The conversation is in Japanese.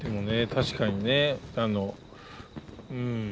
確かにねあのうん。